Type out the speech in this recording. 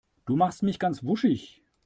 Du machst mich ganz wuschig.